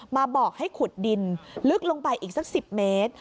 มาบอกให้ขุดดินลึกลงไปอีกสัก๑๐เมตร